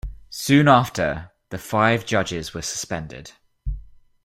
Soon after, the five judges were suspended.